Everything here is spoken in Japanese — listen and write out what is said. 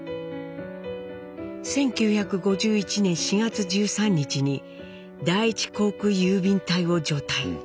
１９５１年４月１３日に第１航空郵便隊を除隊。